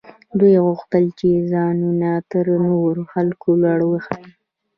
دوی غوښتل چې ځانونه تر نورو خلکو لوړ وښيي.